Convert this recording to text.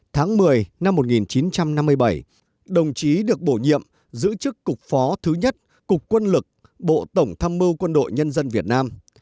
tháng một mươi năm một nghìn chín trăm năm mươi bảy đồng chí được bổ nhiệm giữ chức cục phó thứ nhất cục quân lực bộ tổng tham mưu quân đội nhân dân việt nam